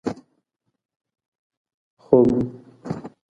خوګ 🐷